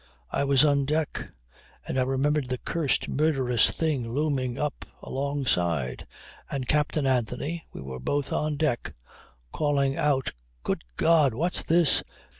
I was on deck and I remember the cursed, murderous thing looming up alongside and Captain Anthony (we were both on deck) calling out, "Good God! What's this!